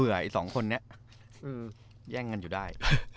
อืมแย่งมันอยู่ได้